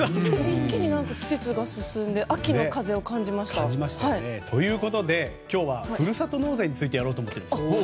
一気に季節が進んで秋の風を感じましたよね。ということで今日はふるさと納税についてやろうと思っているんです。